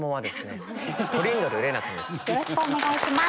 よろしくお願いします。